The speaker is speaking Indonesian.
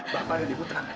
bapak dan ibu tenang saja